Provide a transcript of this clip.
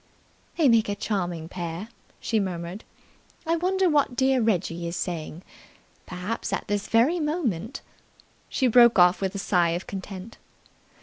"They make a charming pair," she murmured. "I wonder what dear Reggie is saying. Perhaps at this very moment " She broke off with a sigh of content.